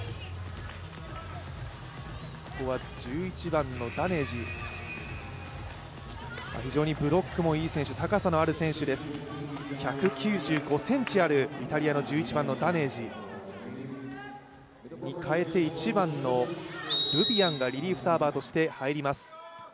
１１番のダネージ、非常にブロックもいい選手、高さのある選手です、１９５ｃｍあるイタリアの１１番のダネージ。に代えて１番のルビアンがリリーフサーバーとして入ります。